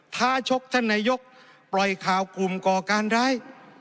ท้าชกท่านนายกปล่อยข่าวกลุ่มก่อการร้าย